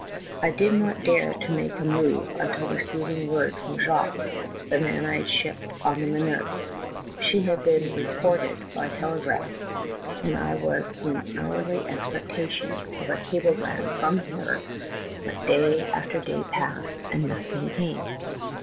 I did not dare make a move until receiving word from Jacques, the man I had shipped on the Minerve. She had been reported by telegraph, and I was in hourly expectation of a 308 THE TALKING HANDKERCHIEF. cablegram from him, but day after day passed, and nothing came.